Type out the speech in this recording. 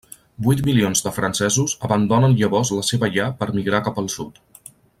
Vuit milions de Francesos abandonen llavors la seva llar per migrar cap al sud.